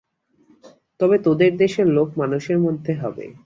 তবে তোদের দেশের লোক মানুষের মধ্যে হবে।